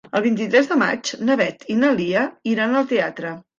El vint-i-tres de maig na Beth i na Lia iran al teatre.